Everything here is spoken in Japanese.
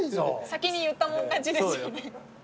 先に言ったもん勝ちですよね。